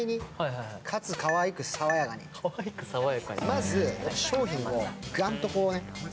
まず商品がガンとこうね。